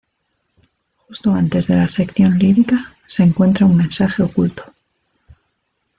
Justo antes de la sección lírica, se encuentra un mensaje oculto.